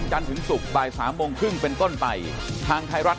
ใช่ค่ะ